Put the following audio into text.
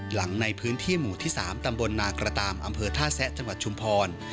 หลังในพื้นที่หมู่ที่๓ตำบลนากระตามอำเภอท่าแซะจังหวัดชุมพร